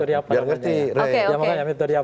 metode apa namanya biar ngerti rey